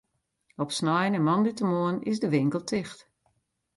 Op snein en moandeitemoarn is de winkel ticht.